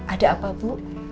ada apa bu